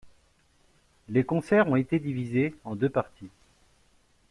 Les concerts ont été divisés en deux parties.